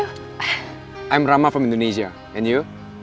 saya rama dari indonesia dan kamu